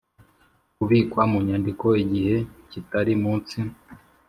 kubikwa mu nyandiko igihe kitari munsi